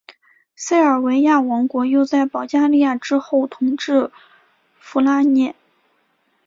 塞尔维亚王国又在保加利亚之后统治弗拉涅。